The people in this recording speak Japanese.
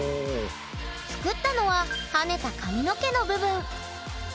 作ったのは跳ねた髪の毛の部分。